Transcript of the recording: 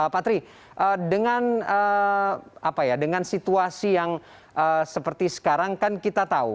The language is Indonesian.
patri dengan situasi yang seperti sekarang kan kita tahu